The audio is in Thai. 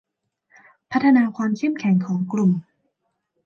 พัฒนาความเข้มแข็งของกลุ่ม